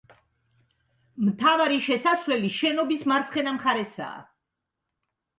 მთავარი შესასვლელი შენობის მარცხენა მხარესაა.